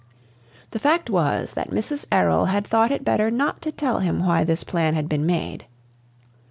The fact was that Mrs. Errol had thought it better not to tell him why this plan had been made.